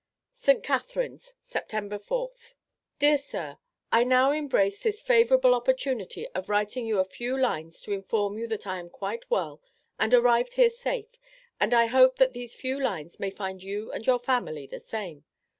ST. CATHARINES, Sept. 4th. DEAR SIR: I now embrace this favorable opportunity of writing you a few lines to inform you that I am quite well and arrived here safe, and I hope that these few lines may find you and your family the same.